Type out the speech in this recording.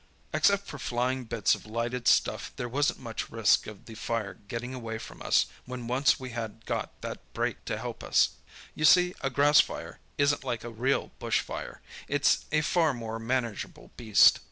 Except for flying bits of lighted stuff there wasn't much risk of the fire getting away from us when once we had got that break to help us. You see, a grass fire isn't like a real bush fire. It's a far more manageable beast.